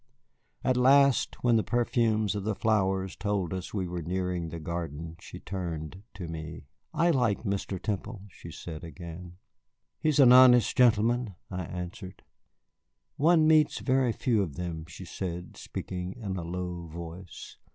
At last, when the perfumes of the flowers told us we were nearing the garden, she turned to me. "I like Mr. Temple," she said, again. "He is an honest gentleman," I answered. "One meets very few of them," she said, speaking in a low voice.